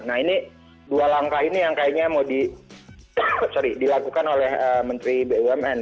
nah ini dua langkah ini yang kayaknya mau dilakukan oleh menteri bumn